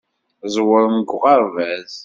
Ẓewren deg uɣerbaz.